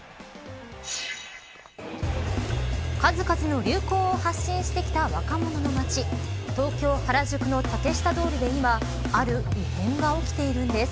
数々の流行を発信してきた若者の街東京、原宿の竹下通りで今ある異変が起きているんです。